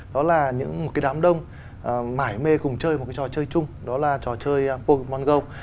đó là những một đám đông mãi mê cùng chơi một trò chơi chung đó là trò chơi pokemon go